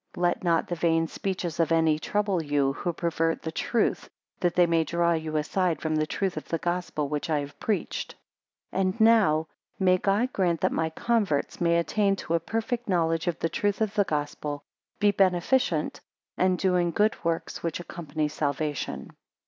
4 Let not the vain speeches of any trouble you, who pervert the truth, that they may draw you aside from the truth of the Gospel which I have preached. 5 And now may God grant, that my converts may attain to a perfect knowledge of the truth of the Gospel, be beneficent, and doing good works which accompany salvation.